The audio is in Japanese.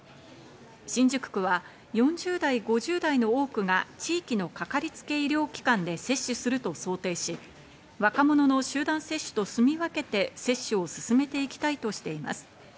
新宿区は４０代、５０代の多くが地域のかかりつけ医療機関で接種すると想定し、若者の集団接種とすみ分けて接種を進めていきたいとしています。